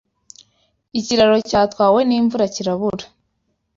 Ikiraro cyatwawe n’ imvura kirabura